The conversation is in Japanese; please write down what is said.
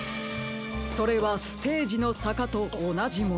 それはステージのさかとおなじもの。